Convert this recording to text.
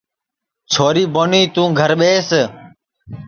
چھوری بونی توں گھر ٻیس